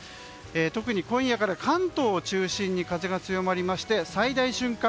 特に今夜から関東を中心に風が強まりまして最大瞬間